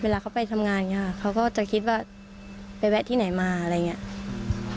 เวลาเขาไปทำงานอย่างนี้ค่ะเขาก็จะคิดว่าไปแวะที่ไหนมาอะไรอย่างนี้